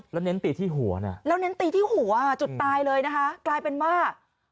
แล้วเน้นตีที่หัวจุดตายเลยนะคะกลายเป็นว่า